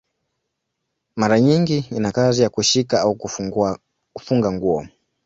Mara nyingi ina kazi ya kushika au kufunga nguo.